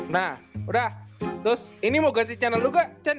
nah udah terus ini mau ganti channel lu gak cen